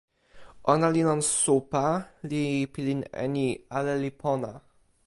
ona li lon supa li pilin e ni: ale li pona.